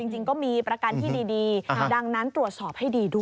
จริงก็มีประกันที่ดีดังนั้นตรวจสอบให้ดีด้วย